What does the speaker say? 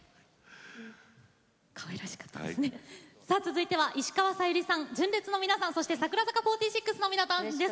続いては、石川さゆりさん純烈の皆さんそして、櫻坂４６の皆さんです。